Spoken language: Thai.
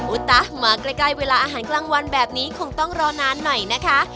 ตะมาใกล้เวลาอาหารกลางวันแบบนี้คงต้องรอนานหน่อยนะคะ